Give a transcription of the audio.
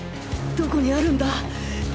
どこにあるんだ！